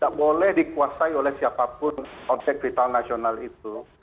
tidak boleh dikuasai oleh siapapun objek vital nasional itu